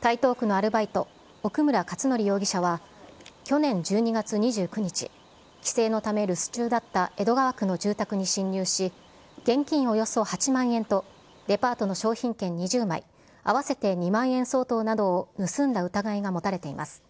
台東区のアルバイト、奥村勝典容疑者は、去年１２月２９日、帰省のため留守中だった江戸川区の住宅に侵入し、現金およそ８万円と、デパートの商品券２０枚、合わせて２万円相当などを盗んだ疑いが持たれています。